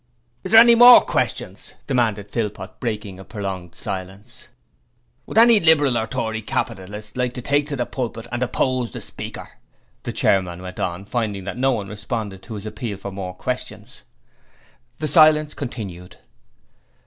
'Is there any more questions?' demanded Philpot, breaking a prolonged silence. 'Would any Liberal or Tory capitalist like to get up into the pulpit and oppose the speaker?' the chairman went on, finding that no one responded to his appeal for questions. The silence continued.